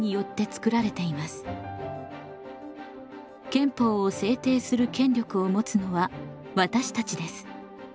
憲法を制定する権力を持つのは私たちです。